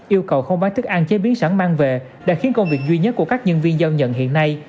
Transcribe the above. yêu cầu không bán thức ăn chế biến sẵn mang về đã khiến công việc duy nhất của các nhân viên giao nhận hiện nay